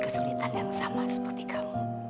kesulitan yang sama seperti kamu